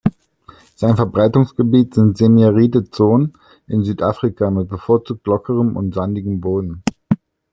Sein Verbreitungsgebiet sind semiaride Zonen in Südafrika mit bevorzugt lockerem und sandigem Boden.